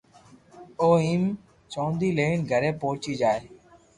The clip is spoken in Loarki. او ھيم چوندي لئين گھري پئچي جائين